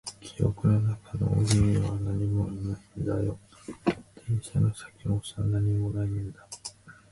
記憶の中の海には何もないんだよ。電線の先もさ、何もないんだ。